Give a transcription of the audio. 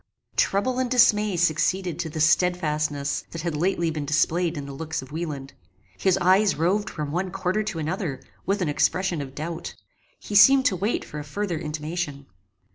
Trouble and dismay succeeded to the stedfastness that had lately been displayed in the looks of Wieland. His eyes roved from one quarter to another, with an expression of doubt. He seemed to wait for a further intimation.